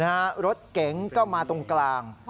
รถเก๋งก็มาตรงกลาง